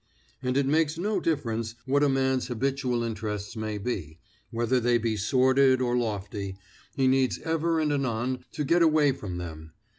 And it makes no difference what a man's habitual interests may be, whether they be sordid or lofty, he needs ever and anon to get away from them.